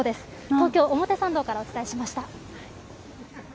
東京・表参道からお伝えしました。